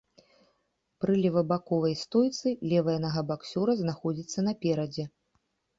Пры левабаковай стойцы левая нага баксёра знаходзіцца наперадзе.